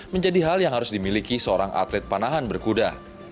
menjadi hal yang harus dimiliki seorang atlet panahan berkuda